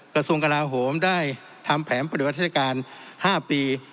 กระทรวงกราโหมได้ทำแผนประเด็นวัตถิการ๕ปี